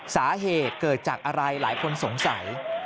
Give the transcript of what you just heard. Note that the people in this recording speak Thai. สาเหตุเกิดจากอะไรหลายคนสงสัย